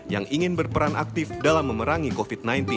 yang ingin berperan aktif dalam memerangi covid sembilan belas